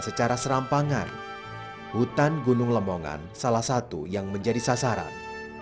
secara serampangan hutan gunung lemongan salah satu yang menjadi sasaran